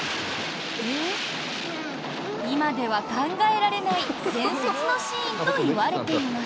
今では考えられない伝説のシーンといわれています。